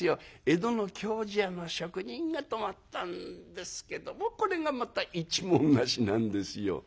江戸の経師屋の職人が泊まったんですけどもこれがまた一文無しなんですよ。